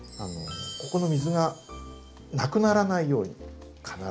ここの水が無くならないように必ず。